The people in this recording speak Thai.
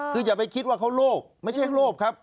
คืออย่าไปคิดว่าเขาโลภไม่ใช่โลภครับ